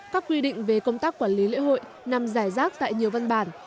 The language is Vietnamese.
các quy định về công tác quản lý lễ hội nằm giải rác tại nhiều văn bản